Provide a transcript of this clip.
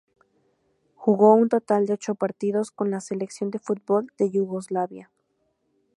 Jugó un total de ocho partidos con la selección de fútbol de Yugoslavia.